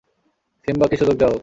সিম্বাকে সুযোগ দেওয়া হোক!